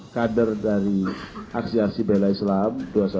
kader dari aksiasi belai islam dua ratus dua belas